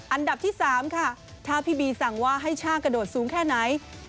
อันดับที่๓ค่ะถ้าพี่บีสั่งว่าให้ช่างกระโดดสูงแค่ไหน